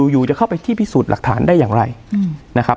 อยู่จะเข้าไปที่พิสูจน์หลักฐานได้อย่างไรนะครับ